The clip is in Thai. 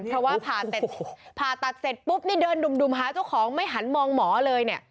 เพราะว่าผ่าตัดเสร็จปุ๊บนี่เดินดุ่มหาเจ้าของไม่หันมองหมอเลยเนี่ย